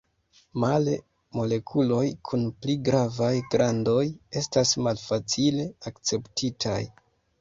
Male, molekuloj kun pli gravaj grandoj estas malfacile akceptitaj.